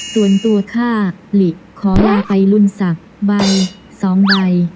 ส่วนตัวข้าหลีขอลองไอรุ่นศักดิ์ใบ๒ใบ